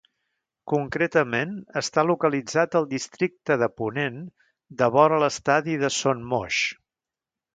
Concretament està localitzat al Districte de Ponent devora l'estadi de Son Moix.